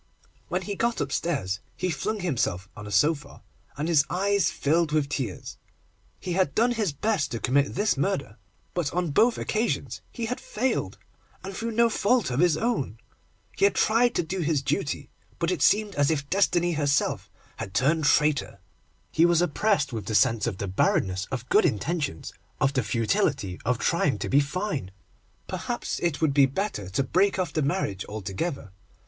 When he got upstairs, he flung himself on a sofa, and his eyes filled with tears. He had done his best to commit this murder, but on both occasions he had failed, and through no fault of his own. He had tried to do his duty, but it seemed as if Destiny herself had turned traitor. He was oppressed with the sense of the barrenness of good intentions, of the futility of trying to be fine. Perhaps, it would be better to break off the marriage altogether.